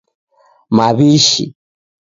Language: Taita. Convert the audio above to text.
Mawishi